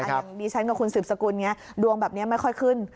อย่างดิฉันกับคุณสืบสกุลดวงแบบนี้ไม่ค่อยขึ้น